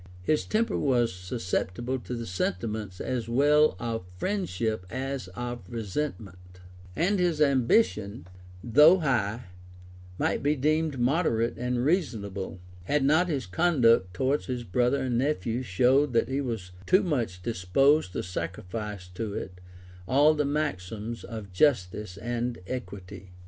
His temper was susceptible of the sentiments as well of friendship as of resentment; and his ambition, though high, might be deemed moderate and reasonable, had not his conduct towards his brother and nephew showed that he was too much disposed to sacrifice to it all the maxims of justice and equity.